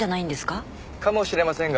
かもしれません